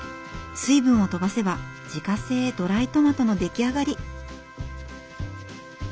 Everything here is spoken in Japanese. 水分をとばせば自家製ドライトマトの出来上がり。